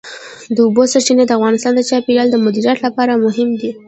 د اوبو سرچینې د افغانستان د چاپیریال د مدیریت لپاره مهم دي.